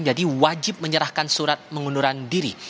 jadi wajib menyerahkan surat mengunduran diri